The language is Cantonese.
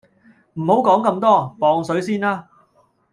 唔好講咁多，磅水先啦！